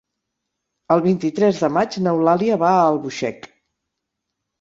El vint-i-tres de maig n'Eulàlia va a Albuixec.